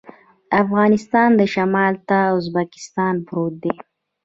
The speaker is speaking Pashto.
د افغانستان شمال ته ازبکستان پروت دی